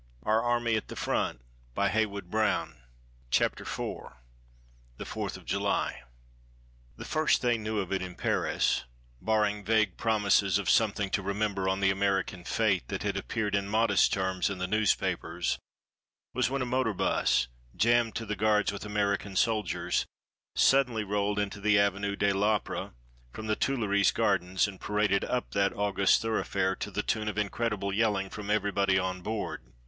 Meanwhile, of the doings in Paris CHAPTER IV THE FOURTH OF JULY The first they knew of it in Paris barring vague promises of "something to remember" on the American fête that had appeared in modest items in the newspapers was when a motor bus, jammed to the guards with American soldiers, suddenly rolled into the Avenue de l'Opéra from the Tuileries Gardens, and paraded up that august thoroughfare to the tune of incredible yelling from everybody on board.